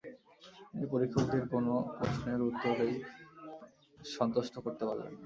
তিনি পরীক্ষকদের কোনো প্রশ্নের উত্তরেই সন্তুষ্ট করতে পারলেন না।